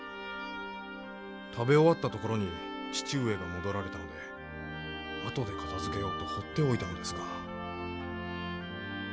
食べ終わったところに義父上が戻られたので後で片づけようとほっておいたのですが。